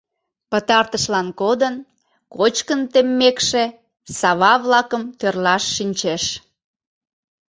Пытартышлан кодын кочкын теммекше, сава-влакым тӧрлаш шинчеш.